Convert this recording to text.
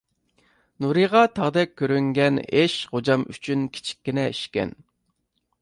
نۇرىغا تاغدەك كۆرۈنگەن ئىش غوجام ئۈچۈن كىچىككىنە ئىشكەن.